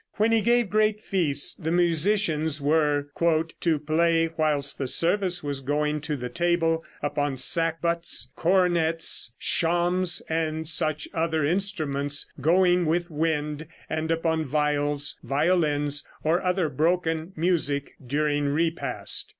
When he gave great feasts, the musicians were "to play whilst the service was going to the table, upon sackbuts, cornets, shawms and such other instruments going with wind, and upon viols, violins or other broken music during repast."